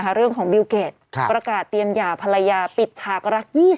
เรื่องของบิวเกดประกาศเตรียมหย่าภรรยาปิดฉากรัก๒๐